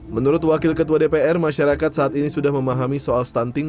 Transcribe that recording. menurut wakil ketua dpr masyarakat saat ini sudah memahami soal stunting